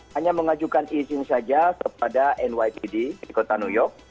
hanya mengajukan izin saja kepada nypd di kota new york